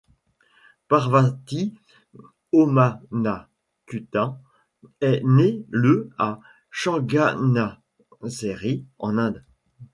Parvathy Omanakuttan est née le à Changanassery, en Inde.